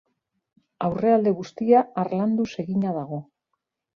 Aurrealde guztia harlanduz egina dago.